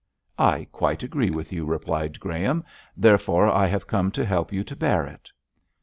'I quite agree with you,' replied Graham, 'therefore I have come to help you to bear it.'